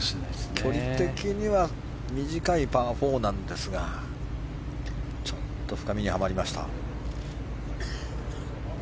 距離的には短いパー４なんですがちょっと深めにはまりました。